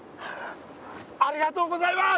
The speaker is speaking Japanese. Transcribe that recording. ありがとうございます！